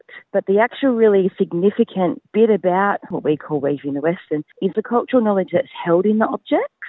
tapi hal hal yang sangat penting tentang apa yang kita panggil weaving the western adalah pengetahuan kultur yang terdapat dalam obyek